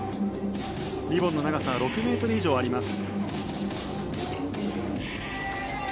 リボンの長さは６ｍ以上あります。